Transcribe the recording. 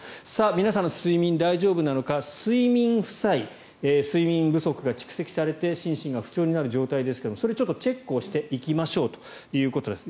皆さんの睡眠、大丈夫なのか睡眠負債睡眠不足が蓄積されて心身が不調になる状態ですがそれチェックをしていきましょうということです。